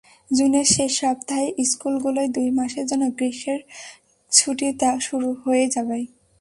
জুনের শেষ সপ্তাহে স্কুলগুলোয় দুই মাসের জন্য গ্রীষ্মের ছুটি শুরু হয়ে যায়।